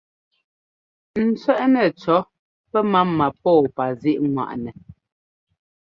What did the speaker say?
N tsẅɛ́ꞌnɛ cɔ̌ pɛmáma pɔ́ɔpazíꞌŋwaꞌnɛ.